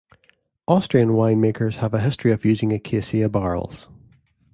Austrian winemakers have a history of using acacia barrels.